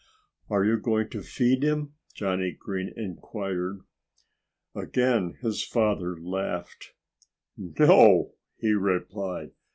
"Are you going to feed him?" Johnnie Green inquired. Again his father laughed. "No!" he replied.